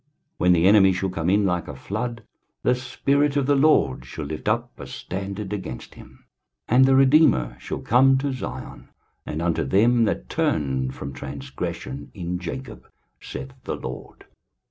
When the enemy shall come in like a flood, the Spirit of the LORD shall lift up a standard against him. 23:059:020 And the Redeemer shall come to Zion, and unto them that turn from transgression in Jacob, saith the LORD.